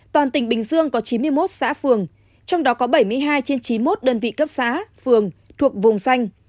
toàn tỉnh bình dương có chín mươi một xã phường trong đó có bảy mươi hai trên chín mươi một đơn vị cấp xã phường thuộc vùng xanh